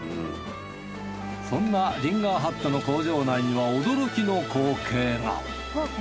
そんなリンガーハットの工場内には驚きの光景が。